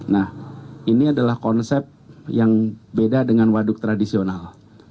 nah ini adalah konsep yang beda dengan waduk tradisional